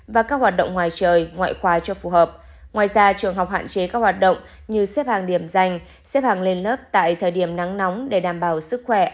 và các hoạt động cho phù hợp với thời tiết hiện nay